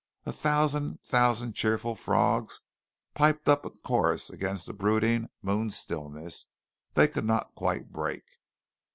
A thousand thousand cheerful frogs piped up a chorus against the brooding moon stillness they could not quite break.